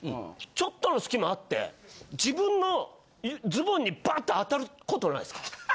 ちょっとの隙間あって自分のズボンにバッて当たることないですか？